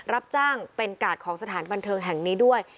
รับจ้างเป็นกาดของสถานบันเทิงแห่งนี้ด้วย